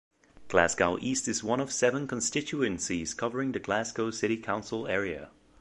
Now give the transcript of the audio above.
Glasgow East is one of seven constituencies covering the Glasgow City council area.